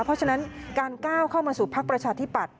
เพราะฉะนั้นการก้าวเข้ามาสู่พักประชาธิปัตย